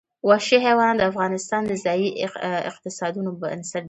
وحشي حیوانات د افغانستان د ځایي اقتصادونو بنسټ دی.